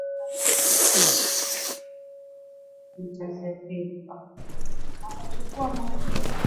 baina ya wanyama wagonjwa na wasio wagonjwa